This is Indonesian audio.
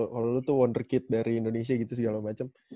kalau lu tuh wonder kit dari indonesia gitu segala macem